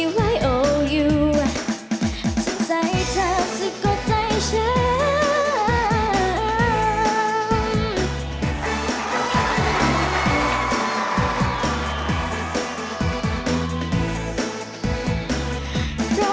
สุดใส่เธอซึกกดใจฉัน